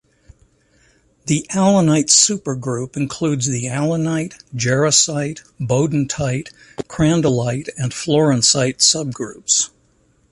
The alunite supergroup includes the alunite, jarosite, beudantite, crandallite and florencite subgroups.